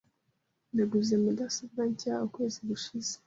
Naguze mudasobwa nshya ukwezi gushize .